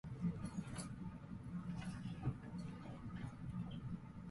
ルーゴ県の県都はルーゴである